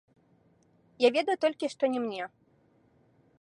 Я ведаю толькі, што не мне.